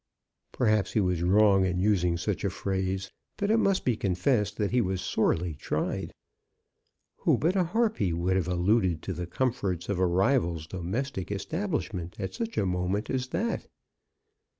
Perhaps, he was wrong in using such a phrase, but it must be confessed that he was sorely tried. Who but a harpy would have alluded to the comforts of a rival's domestic establishment at such a moment as that?